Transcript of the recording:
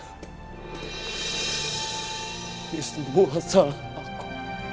ini semua salah aku